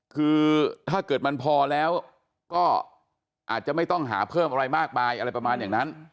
คือถ้าเกิดมันพอแล้วก็อาจจะไม่ต้องหาเพิ่มอะไรมากมายอะไรประมาณอย่างนั้น